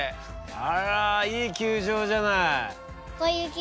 あらいい球場じゃない。